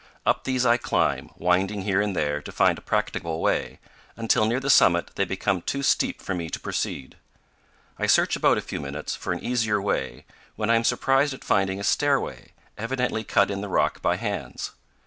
Up these I climb, winding here and there to find a practicable way, until near the summit they become too steep for me to proceed. I search about a few minutes for an easier way, when I am surprised at finding a stairway, evidently cut in the rock by hands.